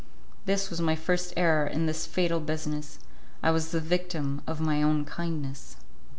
This was my first error in this fatal business; I was the victim of my own kindness.